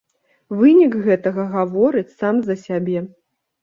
Вынік гэтага гаворыць сам за сябе.